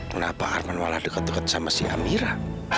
kenapa arman malah deket deket sama si amira